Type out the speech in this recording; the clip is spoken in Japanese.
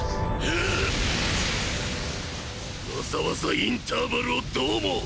わざわざインターバルをどうも！